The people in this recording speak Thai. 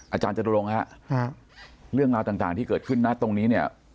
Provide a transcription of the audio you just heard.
อาจารย์จตุรงค์ฮะเรื่องราวต่างที่เกิดขึ้นนะตรงนี้เนี่ย